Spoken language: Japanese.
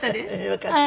よかった。